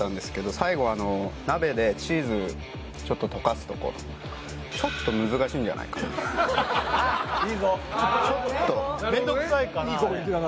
最後あの鍋でチーズちょっと溶かすところちょっと難しいんじゃないかな・いいぞちょっとなるほどねいいコメントだな